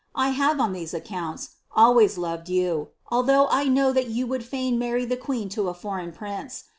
I have, on ihese accouDb always loved you, although I know that you would fain luarry ih queen lo a foreign prince.